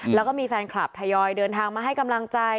แล้วก็มีแฟนคลับทยอยเดินทางมาให้กำลังใจ